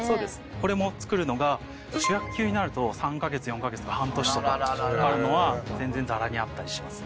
これも作るのが主役級になると３カ月４カ月とか半年とかかかるのは全然ざらにあったりしますね。